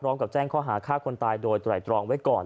พร้อมกับแจ้งข้อหาฆ่าคนตายโดยไตรตรองไว้ก่อน